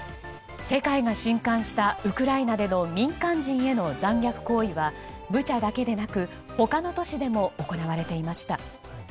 世界が震撼したウクライナでの民間人への残虐行為は、ブチャだけでなく他の都市でも行われていました。